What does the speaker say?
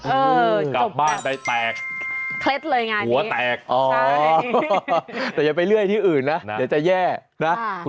เออจบโปรดตัวกลับบ้านได้แตก